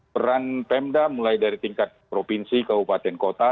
peran pemda mulai dari tingkat provinsi ke upatan kota